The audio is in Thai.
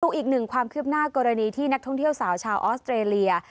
อีกหนึ่งความคืบหน้ากรณีที่นักท่องเที่ยวสาวชาวออสเตรเลีย